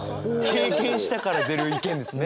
経験したから出る意見ですね。